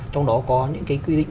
trong đó có những cái quy định